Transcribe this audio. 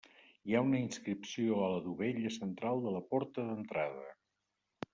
Hi ha una inscripció a la dovella central de la porta d'entrada.